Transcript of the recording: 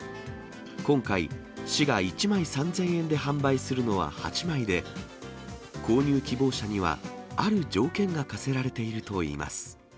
今回、市が１枚３０００円で販売するのは８枚で、購入希望者には、ある条件が課せられているといいます。